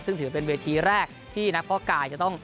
ซึ่งถือเป็นเวทีแรกที่นักพ่อกายจะต้อง